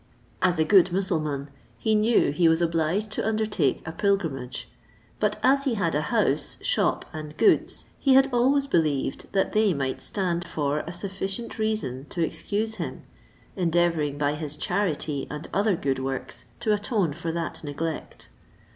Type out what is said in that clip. As a good Mussulmaun, he knew he was obliged to undertake a pilgrimage; but as he had a house, shop, and goods, he had always believed that they might stand for a sufficient reason to excuse him, endeavouring by his charity, and other good works, to atone for that neglect.